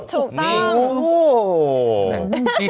ถูกต้องโห้ว้เนี่ยจิรินภารกิน